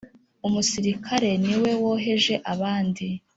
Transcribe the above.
umusirikare ni we woheje abandi